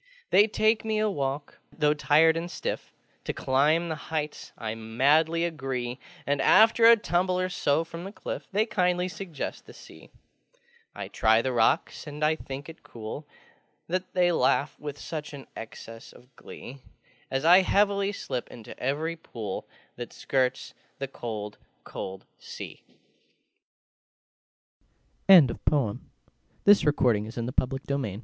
They take me a walk: though tired and stiff, To climb the heights I madly agree; And, after a tumble or so from the cliff, They kindly suggest the Sea. I try the rocks, and I think it cool That they laugh with such an excess of glee, As I heavily slip into every pool That skirts the cold col